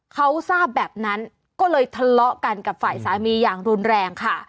เขาทราบแบบนั้นก็เลยทะเลาะกันกับฝ่ายสามีอย่างรุนแรงค่ะ